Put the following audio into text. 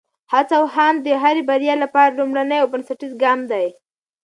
هڅه او هاند د هرې بریا لپاره لومړنی او بنسټیز ګام دی.